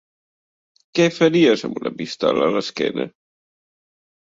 Què faries amb una pistola a l'esquena?